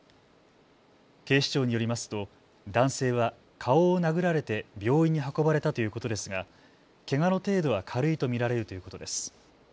警視庁によりますと男性は顔を殴られて病院に運ばれたということですが、けがの程度は軽いと見られるということです。